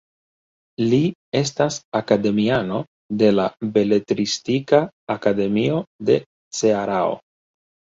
Li estas akademiano de la Beletristika Akademio de Cearao.